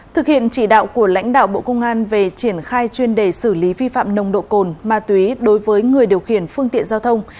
thực hiện chỉ đạo của lãnh đạo bộ công an về triển khai chuyên đề xử lý vi phạm nồng độ cồn ma túy đối với người điều khiển phương tiện giao thông